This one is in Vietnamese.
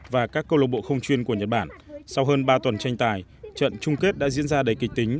và các câu lộc bộ không chuyên của nhật bản sau hơn ba tuần tranh tài trận chung kết đã diễn ra đầy kịch tính